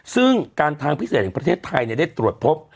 ซึ่งการทางพิเศษแห่งประเทศไทยได้ตรวจพบ